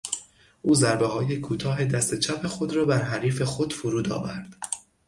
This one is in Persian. او ضربههای کوتاه دست چپ خود را بر حریف خود فرود آورد.